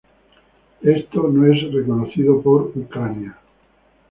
Esto no es reconocido por Ucrania.